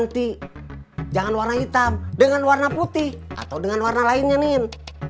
dengan warna putih atau dengan warna lainnya nin